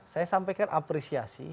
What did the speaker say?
saya sampaikan apresiasi